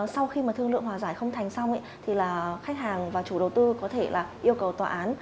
sau khi mà thương lượng hòa giải không thành xong thì là khách hàng và chủ đầu tư có thể là yêu cầu tòa án